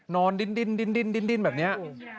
นอนดินแบบนี้